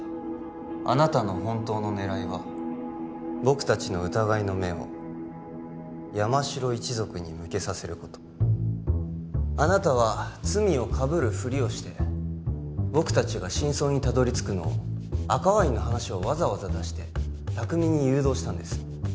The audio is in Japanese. あなたの本当の狙いは僕達の疑いの目を山城一族に向けさせることあなたは罪をかぶるフリをして僕達が真相にたどり着くのを赤ワインの話をわざわざ出してたくみに誘導したんです